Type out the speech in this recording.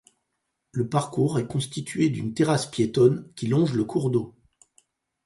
Le parcours est constituée d'une terrasse piétonne qui longe le cours d'eau.